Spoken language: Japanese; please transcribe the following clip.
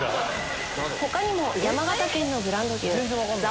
他にも山形県のブランド牛。